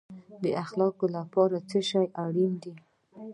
د اخلاقو لپاره څه شی اړین دی؟